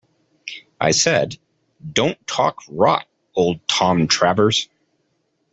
I said, 'Don't talk rot, old Tom Travers.'